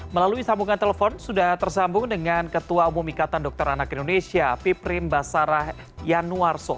melalui sambungan telepon sudah tersambung dengan ketua umum ikatan dokter anak indonesia piprim basarah yanuarso